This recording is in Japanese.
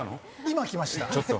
今きました！